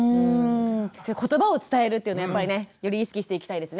ことばを伝えるっていうのやっぱりねより意識していきたいですね。